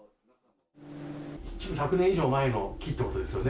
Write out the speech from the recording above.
１００年以上前の木ということですよね。